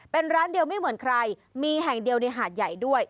เป็นร้านเดียวไม่เหมือนใครมีแห่งเดียวในหาดใหญ่ด้วย